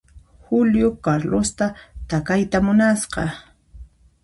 Julio Carlosta takayta munasqa.